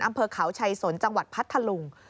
อำเภอเขาชัยสนจังหวัดพัทธลุง